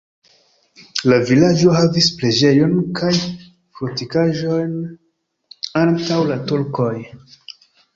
La vilaĝo havis preĝejon kaj fortikaĵon antaŭ la turkoj.